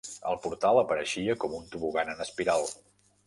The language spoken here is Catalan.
El portal apareixia com un tobogan en espiral.